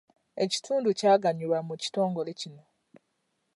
Ekitundu kyaganyulwa mu kitongole kino.